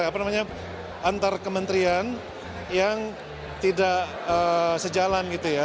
apa namanya antar kementerian yang tidak sejalan gitu ya